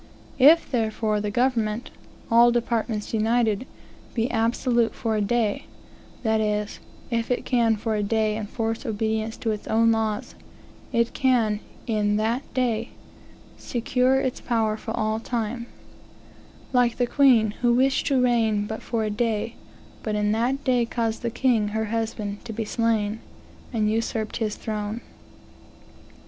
If, therefore, the government (all departments united) be absolute for a day that is, if it can, for a day, enforce obedience to its own laws it can, in that day, secure its power for all time like the queen, who wished to reign but for a day, but in that day caused the king, her husband, to be slain, and usurped his throne.